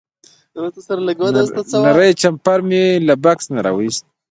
نری جمپر مې له بکس نه راوویست.